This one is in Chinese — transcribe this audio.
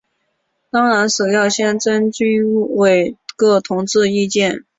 当然首先要征求军委各同志意见。